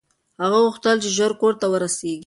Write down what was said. هغه غوښتل چې ژر کور ته ورسېږي.